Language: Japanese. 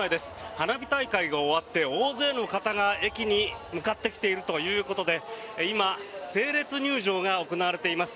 花火大会が終わって大勢の方が駅に向かってきているということで今、整列入場が行われています。